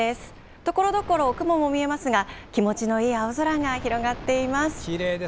ところどころ、雲も見えますが気持ちのいい青空が広がっています。